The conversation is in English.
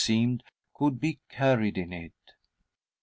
seemed, could be carried in it.